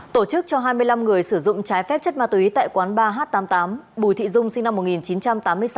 tổ chức cho hai mươi năm người sử dụng trái phép chất ma túy tại quán ba h tám mươi tám bùi thị dung sinh năm một nghìn chín trăm tám mươi sáu